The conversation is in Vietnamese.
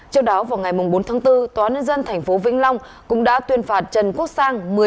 trước đó vào ngày bốn tháng bốn tòa nhân dân tp vĩnh long cũng đã tuyên phạt trần quốc sang